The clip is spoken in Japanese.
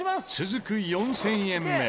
続く４０００円目。